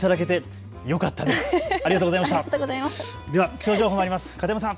では気象の情報まいります、片山さん。